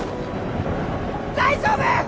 ・大丈夫！